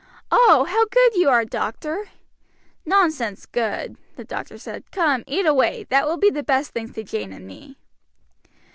"Oh! how good you are, doctor!" "Nonsense, good!" the doctor said; "come, eat away, that will be the best thanks to Jane and me."